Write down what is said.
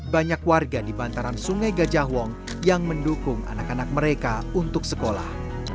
banyak warga di bantaran sungai gajah wong yang mendukung anak anak mereka untuk sekolah